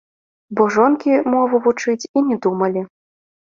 Бо жонкі мову вучыць і не думалі.